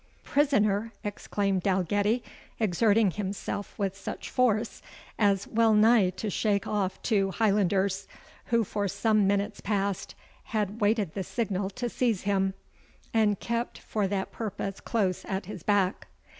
"Prisoner!" exclaimed Dalgetty, exerting himself with such force as wellnigh to shake off two Highlanders, who for some minutes past had waited the signal to seize him, and kept for that purpose close at his back.